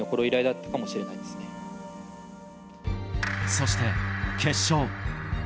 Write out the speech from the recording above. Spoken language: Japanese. そして決勝。